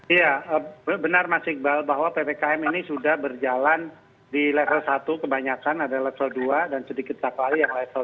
iya benar mas iqbal bahwa ppkm ini sudah berjalan di level satu kebanyakan ada level dua dan sedikit satu lagi yang level dua